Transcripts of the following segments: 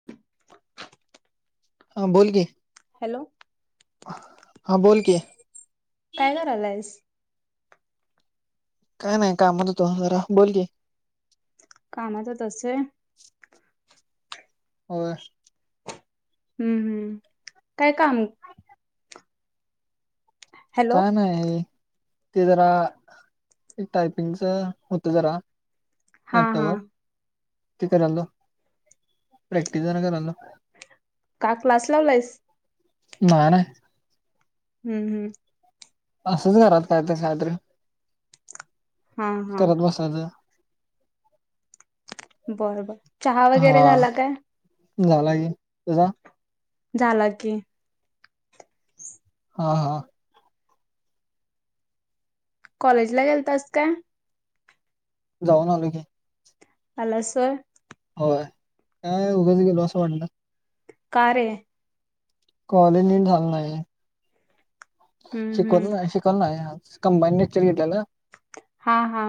[inaudible] हा बोल की. हॅलो हा बोल की काय करालायस. काय नाही कामत होतो जरा. बोल की. कामात होतास होय. होय. हम्म हम्म काय काम? हॅलो. काय नाही. ते जरा, टायपिंगच होत जरा हा हा लॅपटॉपवर. ते करायलो. प्रॅक्टिस जरा करायलो. का क्लास लावलायस? नाय नाही. हम्म हम्. असंच घरात कायतर कायतर हा हा करत बसायचं. बरं. चहा वगैरे हा झाला काय? झाला की. तुझा? झाला की. हा हा. कॉलेजला गेलतास काय? जाऊन आलो की. आलास होय. होय. काय उगच गेलो असं वाटलं. का रे? कॉलेज नीट झालं नाही. हम्म हम्म शिकवल नाही शिकवल नाही आज कंबाईन लेक्चर घेतल्याल. हा हा.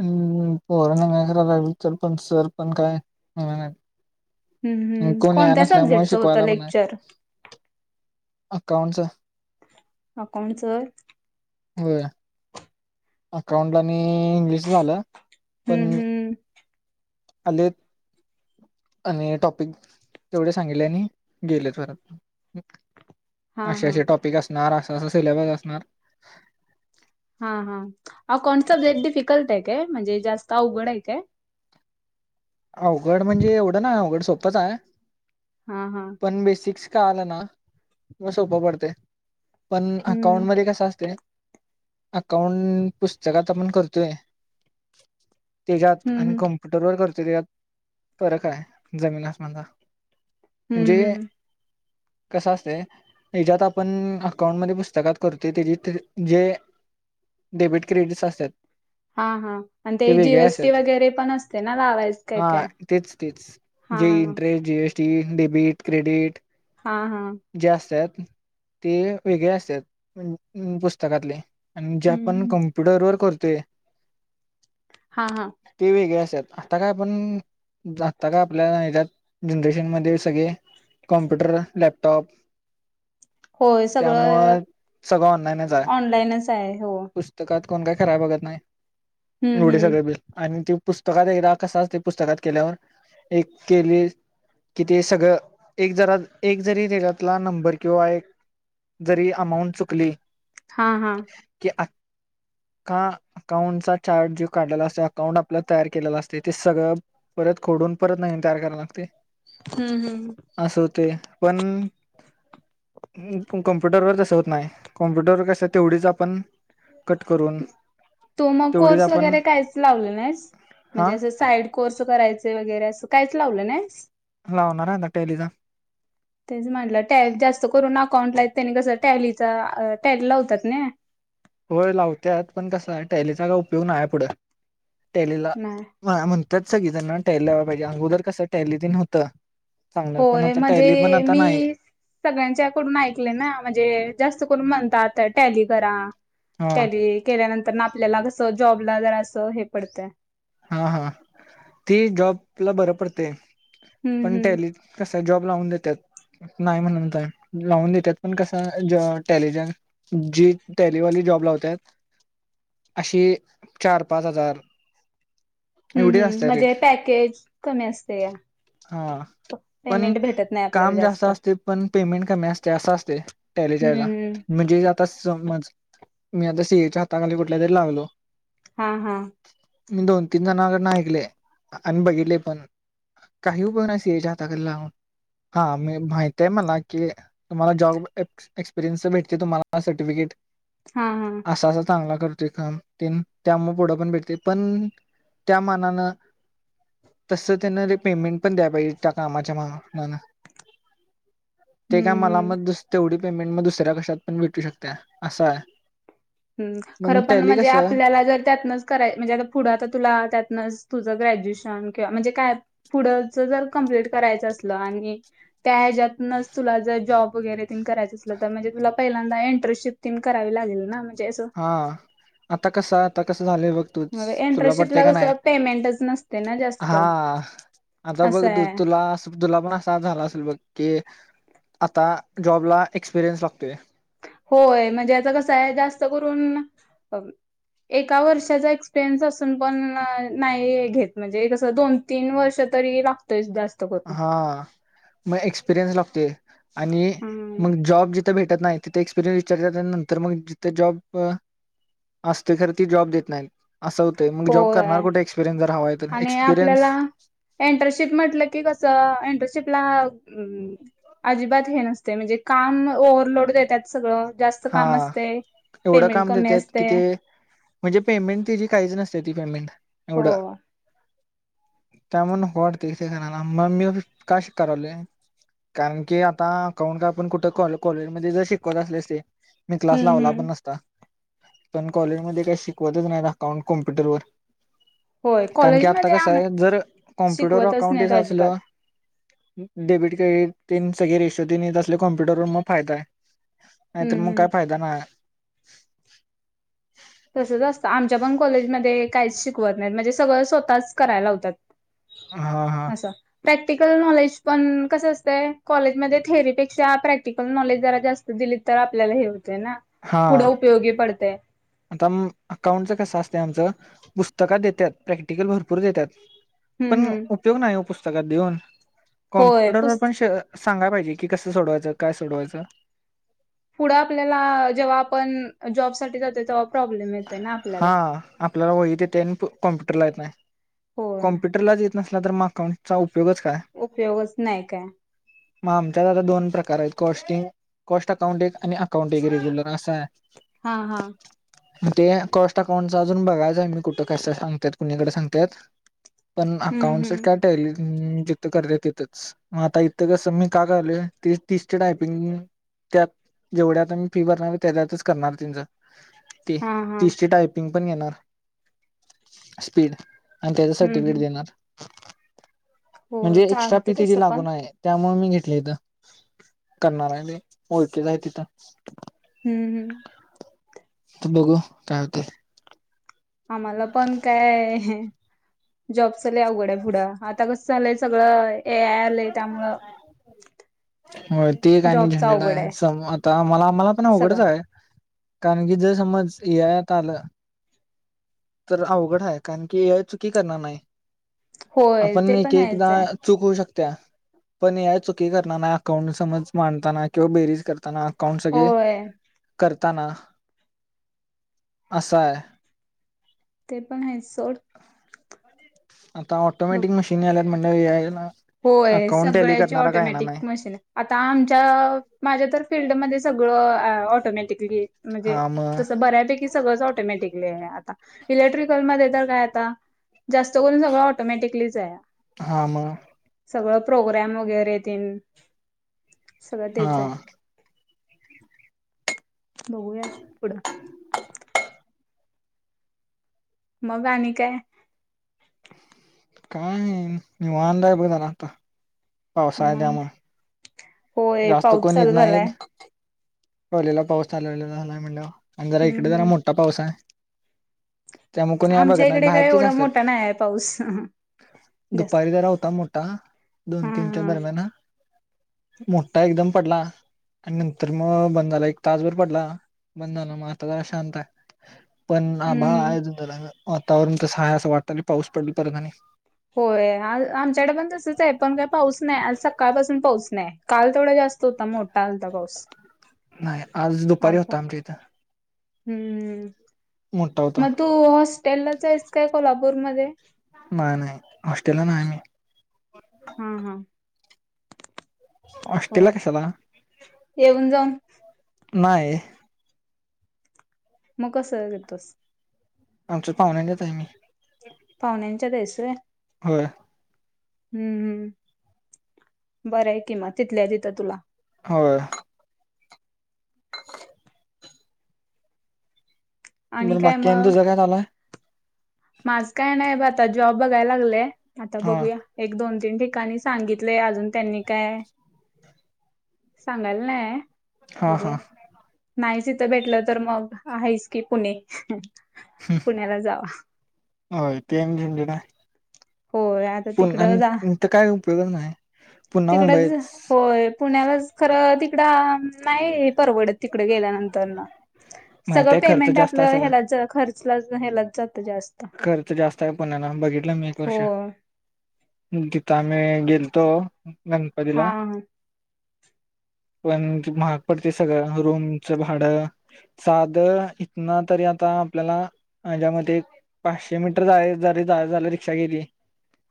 हम्म पोरांन सर पण काय आलं नाहीत. हम्म हम्म कोण याय कोणत्या नसल्यामुळ सब्जेक्टचं होतं शिकवायला पण नाय. लेक्चर? अकाउंटच अकाउंटच होय. होय. अकाउंटला आणि इंग्लिशच झालं. हम्म पण हम्म, आलेत. आणि टॉपिक, तेवढे सांगितले आणि गेलेत परत. हा असे हा असे टॉपिक असणार. असं असं सिलेबस असणार. हा हा, अकाउंटचे लय डिफिकल्ट आहे काय? म्हणजे जास्त अवघड आहे काय? अवघड म्हणजे, एवढं नाय अवघड, सोपच हाय. हा हा. पण बेसिक्स कळालं ना, म सोपं पडतेय. पण हम्म अकाउंट मध्ये कस असतय. अकाउंट पुस्तकात आपण करतोय. तेच्यात हम्म हम्म आणि कंप वर करतोय यात फरक आहे जमीन आसमानचा हम्म म्हणजे हम्म कसं असतय. हेज्यात आपण, अकाउंटमध्ये पुस्तकात करतोय. तेजी तेजी जे डेबिट क्रेडिटस असतात. हा हा, आणि ते वेगळे असतात जीएसटी वगैरे पण असते ना लावायच. काय हा. काय तेच तेच, हा जे इंटरेस्ट, जीएसटी, डेबिट, क्रेडिट, हा हा. जे असतात. ते वेगळे असतात. पुस्तकातले. अन ज्या पण हम्म कम्प्युटर वर करतोय हां हां. ते वेगळे आसत्यात. आता काय पण, जाता काय आपल्या याच्यात जनरेशनमध्ये सगळे? कॉम्पूटर, लॅपटॉप होय सगळं अ त्यामुळे सगळं ऑनलाइनच हाय, हो. त कात कोण काय कराय बघत नही, हम्म एवढं हम्म सगळं बिल, आणि ते पुस्तकात एकदा कस असतय पुस्तकात केल्यावर, एक केली कि ते सगळं, एक जरा, एक जरी त्याच्यातला नंबर किंवा एक जरी अमाऊंट चुकली. हां हां. कि अख्खा अकाउंटचा चारज जो काढलेला असतो, अकाउंट आपला तयार केलेला असत त ते सगळं परत खोडून, परत नवीन तयार कराव लागतय. हम्म, हम्म. असं होतय, पण म कॉम्प्युटरवर तसं होत नाही, कॉम्प्युटरवर कसं, तेवढीच आपण कट करून तु मग तेवढीच कोर्स आपण वगैरे कायच लावला नाहीस, हा म्हणजे असं साईड कोर्स करायचे वगैरे, असं काहीच लावलं नाहीस. लावनार य आता टेलिचा. तेच म्हनलं टॅल जास्त करून अकाउंट ला यत त्यानी कस, टॅलीचा-टॅल लावतात ना? होय लावत्यात, पण कसय, टॅलीचा काय उपयोग नाही पुढं, टॅलीला नाही मा म्हणत्यात सगळी जण, टॅली लावाया पाहिजे, अगोदर कसं टॅली तेन होतं. चांगलं पण होय, आता टॅली पण म्हणजे आता मी नाही सगळ्यांच्याकडून ऐकलेय ना, म्हणजे जास्त करून म्हणतात, आता टॅलि करा. हा टेलि केल्यानंतर, न आपल्याला कस जॉबला जरा सं हे पडतय. हां हां ती जॉबला बर पडतय, हम्म पण हम्म टेलि. कस, जॉब लावून देत्यात. नाही म्हणत नाय, लावून देतात, पण कसं अ टेलिजन् जी टॅलीवाली जॉब लावत्यात, अशी चार पाच हजार, हम् एवढी हम्, असते रेट म्हणजे पॅकेज कमी असत या. हां पण पेमेंट भेटत नाही आपल्याला काम जास्त असतय, पण पेमेंट कमी असतय, असं असतय. टॅलीच्या ह्याला, हम्म म्हणजे त समज आता मी आता सीएच्या हाताखाली कुठल्या तरी लागलो. हां हां. मी दोन तीन जनाकडन ऐकलय आणि बघितले पण. काही उपयोग नही सीएच्या हाताखाली लागुन, हां मी माहितय मला की तुम्हाला जॉब एक्सपिरियन्स भेटते, तुम्हाला सर्टिफिकिट हां हां. असा-असा चांगला करतोय का, त्यामु पुढं पण भेटते पण त्या मानानं तस त्यांन र पेमेंट पण द्या पाहिजे, त्या कामाच्या मा -मानान ते काय मला हम्म मग दुस तेवढी पेमेंट, मग दुसऱ्या कशात पण भेटू शकत्याय, असं हाय. हम्, खरं पण म्हणजे आपल्याला जर त्यातनच. कराय म्हणजे आता पुढं, आता तुला त्यातनच तुझं ग्रॅज्युएशन किंवा म्हणजे काय पुढ च जर कंप्लीट करायचं असलं आणि त्या येझ्यातनच तुला जर जॉब वगैरे तेन करायच दिसलं तर म्हणजे तुला पहिल्यांदा एंटर शिप तीन करावी लागेल ना म्हणजे असं हा आता कसं आता कसं झालंय बघ तुच मग तुला पटतंय एंटरशिपला का नाही कसं पेमेंटच नसते ना जास्त हा आता बघ असं तु आहे. तुला अस तुला पण असा झाला असेल बघ की आता जॉबला एक्सपिरियन्स लागतोय. होय म्हणजे आता कसं हाय जास्त करून एका वर्षाचा एक्सपिरियन्स असून पण न्हाय न्हाय घेत म्हणजे कसं दोन तीन वर्ष तरी लागतोयच जास्त करून हा मग एक्सपिरियन्स लागतोय आणि हम्म मग जॉब जि थ भेटत नाही तिथे एक्सपिरियनस विचारत्यात आणि नंतर मग जिथे जॉब असतोय खर ती जॉब देत नाही असं होतंय मग जॉब करणार होय कुठे एसपिरियन्स जर हवा आहे तर आणि एक्सपिरियन्स आपल्याला एंटरशिप म्हटलं की कसं एंटरशिपला अजिबात हे नसते म्हणजे काम ओव्हरलोड देत्यात सगळं जास्त हा काम असते एवढं पेमेंट काम कमी देतात की असते. ते म्हणजे पेमेंट तिची काहीच नसते ती पेमेंट एवढं. [inaudible] त्यामुळं नको वाटतंय ते करायला म मी का शिका लागलोय. कारण की आता अकाउंट काय आपण कुठं कॉ कॉलेजमध्ये जर शिकवत असले स ते मी क्लास हम्म लावला हम्म पण नसता पण कॉलेजमध्ये काही शिकवतच नाही अकाउंट कॉम्प्युटर वर होय कारण की आता कॉलेजमध्ये कसं आम हाय जर कॉम्प्युटर शिकवतच अकाउंट नाहीत येत अजिबात असलं डेबिट क्रेडिट तेन सगळे रेशो तेन येत असले कॉम्प्युटर मग फायदा हाय. नाहीतर मग काय फायदा न्हाय हाय. तसंच असतं आमच्या पण कॉलेजमध्ये काहीच शिकवत नाहीत म्हणजे सगळं स्वतःच करायला लावतात. हा! हा असं! प्रॅक्टिकल नॉलेज पण कसं असतंय कॉलेजमध्ये थेअरीपेक्षा प्रॅक्टिकल नॉलेज जरा जास्त दिलीत तर आपल्याला हे होते ना हा पुढं उपयोगी पडते. आता अ अकाउंटचं कसं असतय आमचं पुस्तकात देत्यात प्रॅक्टिकल भरपूर देत्यात. हम् पण हम् उपयोग नाही ओ पुस्तकात देऊन होय कॉम्प्युटरवर पुस् पण शर सांगाय पाहिजे की कसं सोडवायचं काय सोडवायचं पुढं आपल्याला जेंव्हा आपण जॉब साठी जातो तेंव्हा प्रॉब्लेम येते ना हा आपल्याला आपल्याला वहीत येतय आणि कॉम्प्युटरला येत नाही होय कॉम्प्युटरलाच येत त नसला तर म अकाउंटचा उपयोगच काय? उपयोगच न्हाय काय. म आमच्यात आता दोन प्रकार आहेत कॉस्टिंग कॉस्ट अकाउंट एक आणि अकाउंट एक रेग्युलर असा आहे. हा हा! ते कॉस्ट अकाउंटचा अजून बघायचं आहे मी कुठं कसं सांगत्यात कुणीकडे सांगत्यात. पण हम्म अकाउंटस हम्म काय टॅली जिथं करत्यात तिथंच म आता इथं कसं मी का घ्यालोय तीस तीस च टायपिंग त्यात जेवढ्या आता मी फी भरणार तेझ्यातच करणार त्यांचं ते हा हा तिसची टायपिंग पण घेणार स्पीड आणि त्याच हम्म सर्टिफिकेट हम्म देणार हो म्हणजे एक्स्ट्रा चालत फी तिझी तसं लागू पण न्हाय हाय. त्यामुळे मी घेतली इथं करणार आहे. ओळखीच आहे तिथं हम्म. हम्म त बघू काय होते. आम्हाला पण काय जॉबस ल अवघड्या पुढं आता कस झालंय. सगळं हे आलंय त्यामुळ हो ते का आणि झंडडा आहे. स आता मला आ म्हाला पण अवघडच सगळं आहे. कारण की जर समज ए आयात आलं. तर अवघड आहे. कारण की चुकी करणार नाही. होय आपण ते एक पण एकदा आहेच आहे चुक होऊ शकत्या पण या चुकी करताना अकाउंट समज मांडताना किंवा बेरीज करताना. अकाउंट सगळे होय करताना असा आहे. ते पण आहे सोड. आता बघ ऑटोमॅटिक मशीन आल्या म्हणज आहे ना. होय सगळ्याची ऑटोमॅटिक मशीन आता आमच्या माझ्या तर फिल्डमध्येध्ये सगळं ऑटोमॅटिकली म्हणजे हा म तसं बऱ्यापैकी सगळ ऑटोमॅटिकली आ इलेक्ट्रिकलमध्ये तर काय आता जास्त करून सगळं ऑटोमॅटिकली जा आहे. हा म सगळं प्रोग्राम वगैरे येतील सगळं हा तेच आहे. नया पुडं मग आणि काय का नि्हारला आहे प झाला आता पावसा निवांत टम होय जास्त पाऊस कोणी चालू येत झालाय नाहीत. पलेला पाऊस चालवला झालाय म्हणलं आणि जरा हम्म इकडे जरा हम्म मोठा पाऊस आहे. त्यामुळे कोणी या बघत आमच्या नाही. इकडे काय बाहेरचेच एवढा असतात मोठा नाही आहे पाऊस जास्त दुपारी तर होता मोठ हा दोन हा तीनच्या हम्म दरम्यान हा मोठा एकदम पडला. आणि नंतर मग बंधाला एक तासभर पडला बंधाला मग आता जरा शांत आहे. पण आभा हम्म आहे. जून जला वातावरण त सहाय असं वाटत पाऊस पडली. परत आणि होय आ आमच्याकडे पण तसच आहे. पण काय पाऊस नाही आज सकाळपासून पाऊस नाही. काल तेवढा जास्त होता मोठा आलता पाऊस. नाही आज दुपारी होता आमच्याथ हम्म. म्हठा होता. मग तू हॉस्टेलला जा आहेस काय कोल्हापूरमध्येध्ये नाही नाही हॉस्टेल नाही म्ही हम हम. ऑस्ट्रेलला कशाला येऊन जाऊन नाही. मग कसं देतोस. आमच्या पाहुण्या येत आहे. मी पाहुण्यांच्या देस आहे. हो. हम्म हम् बरं आहे किमा तिथल्या तिथं तुला हो. [inaudible] आणि मर काय बागकी मग त जगा आला. माझ काय नाही ब आता. जॉब बघायला लागलेय. आता हा बघूया. एक दोन तीन ठिकाणी सांगितलेय. अजून त्यांनी काय सांगेल नाही. हा बघूया, हा नाहीच इथ भेटल तर मग आहेच की पुणे. पुण्याला जावा. हो तेन झंझड आहे. हो आ पुण आणि इथ काय उपयोगच नाही. पुन्हा तिकडच मुंबईच होय पुण्यालाच खर तिकड नाही परवडत तिकडे गेल्यानंतर ना. सगळ माहिती आहे खर्च पेमेंट जास्त आपल आहे सगळा ह्याला खर्चला ह्यालात जात जास्त. खर्च जास्त आहे पुण्याला. बघितल मी एक हो वर्ष. तिथ आम्ही गेलतो हा गणपतीला. हा [inaudible] पण ते महाग पडते सगळ. रूमच भाड साध इथन तरी आता आपल्याला, माझ्या मते पाचशे मीटर जायच जरी झाल. रिक्षा केली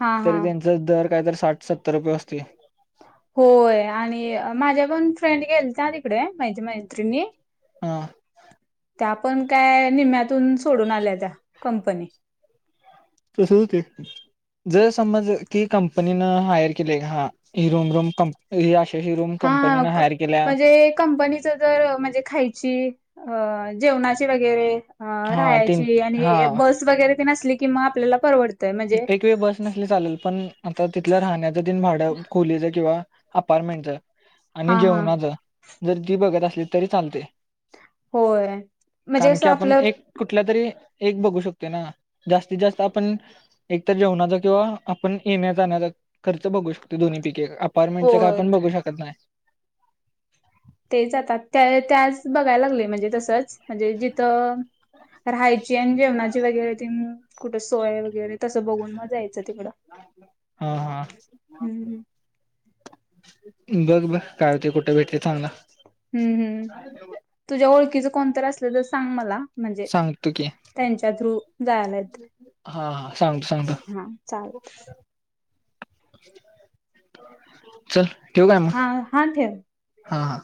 हा हा तरी त्यांच ज दर काय तर साठ सत्तर रुपये असते. होय, आणि माझ्या पण फ्रेंड गेलत्या तिकडे. माझ्या मैत्रिणी. हा त्या पण काय निम्यातून सोडून आल्या त्या कंपनी. तस हो ते जर समज की कंपनीन हायर केले, हा हि रूम रूम कं ही अशा हि रूम कंपनीने हायर केल्या ते कंपनी जर म्हणजे खायची, जेवणाची वगैरे ह हा तीन राहायची. आणि हा बस वगैरे तेन असली कि मग आपल्याला परवडते. एक वेळ बस नसली चालेल. पण आता तिथल राहण्याच तेन भाड खोलीच किंवा अपार्टमेंटच, आणि हा हा जेवणाच जर ती बघत असली तरी चालते. होय म्हणजे कारण असं की आपण आपलं एक कुठल्या तरी एक बघू शकते ना. जास्तीत जास्त आपण एक तर जेवणाचा किंवा आपण येण्या जाण्याचा खर्च बघू शकतो. दोन्ही पैकी एक. हो अपार्टमेंटं काय आपण बघू शकत नाही. ते जातात. त्या त्याच बघायला लागले म्हणजे तसच. म्हणजे जिथ राहायची आणि जेवणाची वगैरे तेन कुठ सोय वगैरे तस बघून मग जायच तिकड. हा हा हम्म बघ बर काय होते. कुठे भेटले चांगल. हम्म हम्म तुझ्या ओळखीच कोणतरी असल तर सांग मला. म्हणजे सांगतो की त्यांच्या थ्रू जायलायत हा सांगतो सांगतो. हा चाल चल ठेवू काय हा मग. हा ठेव. हा हा